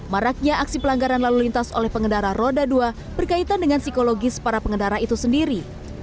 maraknya aksi pelanggaran lalu lintas oleh pengendara roda dua berkaitan dengan psikologis para pengendara itu sendiri